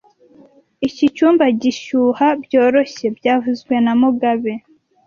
Iki cyumba gishyuha byoroshye byavuzwe na mugabe